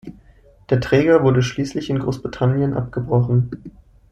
Der Träger wurde schließlich in Großbritannien abgebrochen.